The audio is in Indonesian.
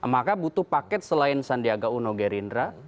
maka butuh paket selain sandiaga uno gerindra